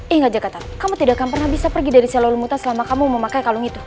ingat jakarta kamu tidak akan pernah bisa pergi dari salur muta selama kamu memakai kalung itu